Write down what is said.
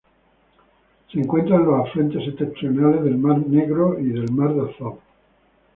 Se encuentra en los afluentes septentrionales del Mar Negro y del Mar de Azov.